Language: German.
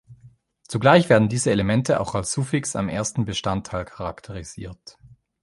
Zugleich werden diese Elemente auch als Suffix am ersten Bestandteil charakterisiert.